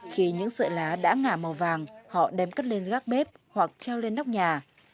khi những sợi lá đã ngả màu vàng họ đem cất lên gác bếp hoặc treo lên nóc nhà